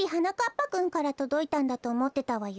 ぱくんからとどいたんだとおもってたわよ。